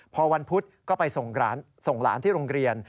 พอวันพุธก็ไปส่งหลานที่โรงเรียน